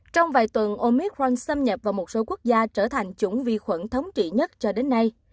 trong vài tuần omit ron xâm nhập vào một số quốc gia trở thành chủng vi khuẩn thống trị nhất cho đến nay